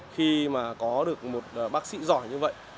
khi mà có được một bác sĩ giỏi như vậy